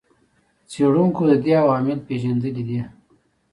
څېړونکو د دې عوامل پېژندلي دي.